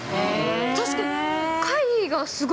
確かに。